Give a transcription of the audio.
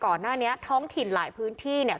ก่อนหน้านี้ท้องถิ่นหลายพื้นที่เนี่ย